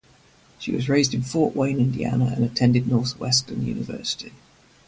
She was raised in Fort Wayne, Indiana and attended Northwestern University.